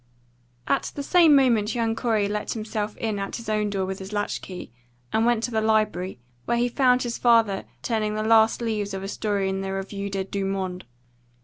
V. AT the same moment young Corey let himself in at his own door with his latch key, and went to the library, where he found his father turning the last leaves of a story in the Revue des Deux Mondes.